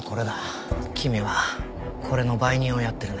君はこれの売人をやってるね？